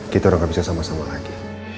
kita udah gak bisa sama sama lagi